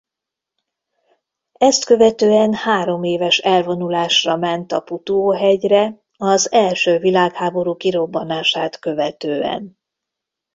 Ezt követően hároméves elvonulásra ment a Putuo-hegyre az első világháború kirobbanását követően.